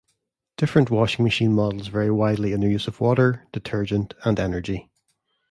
Different washing machine models vary widely in their use of water, detergent, and energy.